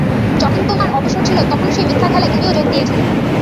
যখন তোমার অবসর ছিল, তখন সেই মিথ্যা খেলায় তুমিও যোগ দিয়াছিলে।